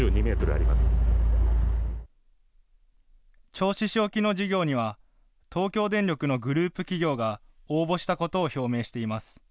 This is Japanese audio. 銚子市沖の事業には東京電力のグループ企業が応募したことを表明しています。